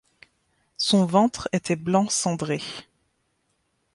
Son ventre était blanc cendré.